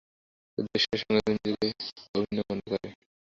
শুধু ঈশ্বরের সঙ্গে নিজেকে অভিন্ন মনে কর।